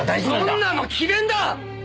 そんなの詭弁だ！